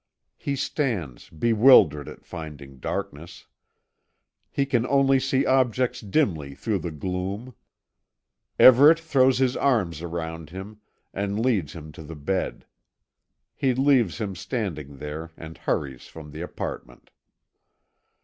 He stands, bewildered at finding darkness. He can only see objects dimly through the gloom. Everet throws his arm around him, and leads him to the bed. He leaves him standing there, and hurries from the apartment.